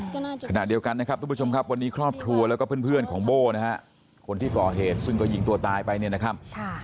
ขณะเดียวกันนะครับทุกผู้ชมครับวันนี้ครอบครัวแล้วก็เพื่อนของโบ้นะฮะคนที่ก่อเหตุซึ่งก็ยิงตัวตายไปเนี่ยนะครับค่ะ